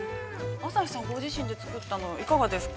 朝日さん、ご自身で作ったのは、いかがですか。